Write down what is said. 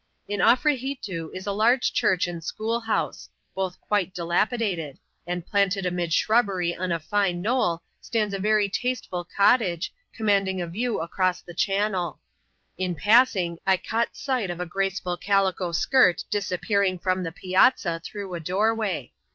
In Afrehitoo is a large church and school house, both quite dilapidated ; and planted amid shrubbery on a fine knoll, stands a very tasteful cottage, commanding a view across \)aa Ociscasv^^ \Ti^^a®as|j,I CHAP. Lvm.] THE HUNTINGFEAST. 235 caught sight of a graceful calico skirt disappearing from the piazza through a doorwaj.